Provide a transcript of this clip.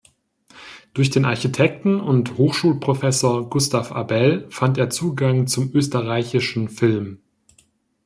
Durch den Architekten und Hochschulprofessor Gustav Abel fand er Zugang zum österreichischen Film.